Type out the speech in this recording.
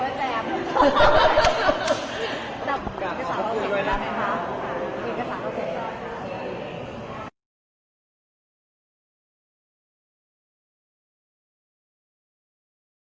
อันนี้ก็สามารถพูดด้วย